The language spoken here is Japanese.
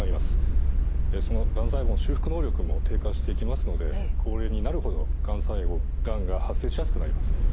そのがん細胞の修復能力も低下していきますので高齢になるほどがんが発生しやすくなります。